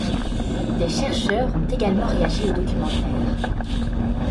Des chercheurs ont également réagi au documentaire.